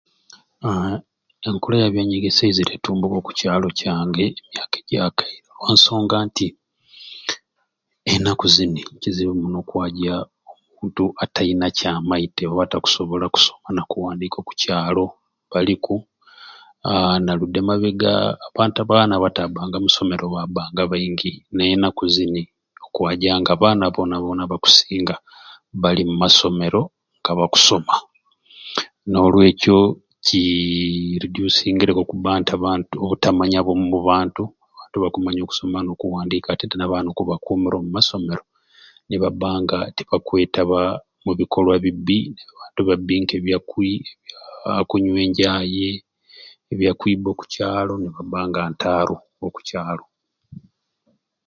Aaa enkola ya byanyegesya eizire etumbuka oku kyalo kyange emyaka egyakaire olwa nsonga nti enaku zini kizibu muno okwaja omuntu atayina kyamaite oba takusobola kusoma na kuwandiika oku kyalo tibaliku, aa na ludi emabega abantu abaana abataabbanga omu masomero baabbanga yes baingi naye enaku zini okwaja ng'abaana boona booba abakusinga bali mu masomero nga bakusoma n'olwekyo kiii ridusingireku okubba nti abantu obutamanya omu bantu abantu bakumanya okusoma n'okuwandiika n'abaana okubakuumira omu masomero nibabba nga tibakwetaba omu bikolwa ebibbi bibbi nk'ebya kunywa enjaaye ebya kwibba oku kyalo ni babba nga ntaaru oku kyalo